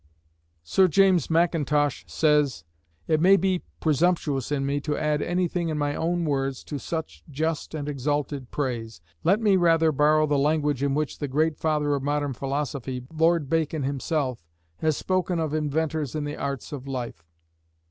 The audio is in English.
Sir James Mackintosh says: It may be presumptuous in me to add anything in my own words to such just and exalted praise. Let me rather borrow the language in which the great father of modern philosophy, Lord Bacon himself, has spoken of inventors in the arts of life.